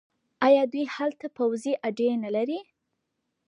آیا دوی هلته پوځي اډې نلري؟